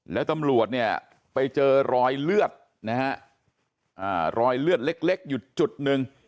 แล้วตำรวจเนี่ยไปเจอรอยเลือดนะฮะรอยเลือดเล็กอยู่จุดหนึ่ง